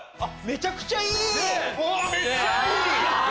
めちゃくちゃいい！